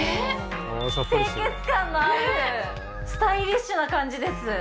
清潔感のあるスタイリッシュな感じです。